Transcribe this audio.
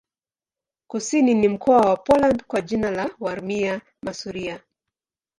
Kusini ni mkoa wa Poland kwa jina la Warmia-Masuria.